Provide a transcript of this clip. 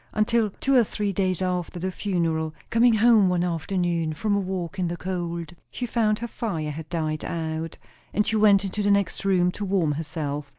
Until, two or three days after the funeral, coming home one afternoon from a walk in the cold, she found her fire had died out; and she went into the next room to warm herself.